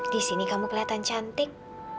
di sini kamu kelihatan cantik